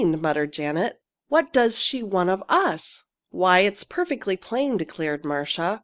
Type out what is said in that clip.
muttered Janet. "What does she want of us?" "Why, it's perfectly plain," declared Marcia.